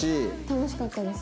楽しかったです。